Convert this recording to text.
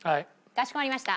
かしこまりました。